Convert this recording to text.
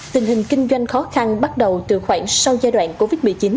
tình hình kinh doanh khó khăn bắt đầu từ khoảng sau giai đoạn covid một mươi chín